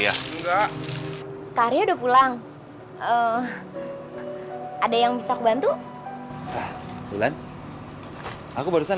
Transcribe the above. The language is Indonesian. di rumah enggak karya udah pulang ada yang bisa bantu aku barusan